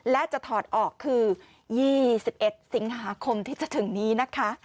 และจะถอดออกคือ๒๑สิงหาคมที่จะถึงนี้นะคะ